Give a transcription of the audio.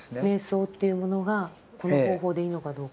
瞑想というものがこの方法でいいのかどうか？